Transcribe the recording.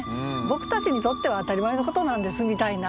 「僕たちにとっては当たり前のことなんです」みたいな。